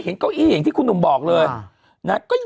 ยังไงยังไงยังไงยังไง